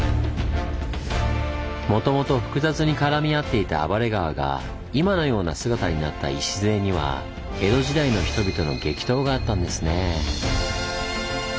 もともと複雑に絡み合っていた暴れ川が今のような姿になった礎には江戸時代の人々の激闘があったんですねぇ。